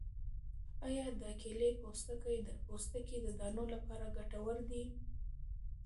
آیا د کیلې پوستکی د پوستکي د دانو لپاره ګټور دی؟